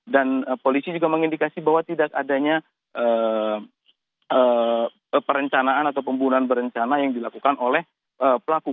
dan polisi juga mengindikasi bahwa tidak adanya perencanaan atau pembunuhan berencana yang dilakukan oleh pelaku